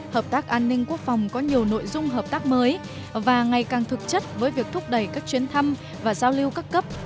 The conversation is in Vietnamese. hợp tác an ninh quốc phòng có nhiều nội dung hợp tác mới và ngày càng thực chất với việc thúc đẩy các chuyến thăm và giao lưu các cấp